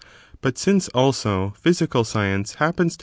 But since, also, physical science* happens to ^